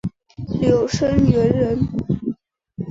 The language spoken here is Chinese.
刘声元人。